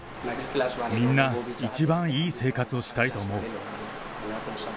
みんな一番いい生活をしたいと思う。